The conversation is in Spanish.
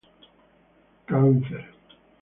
cáncer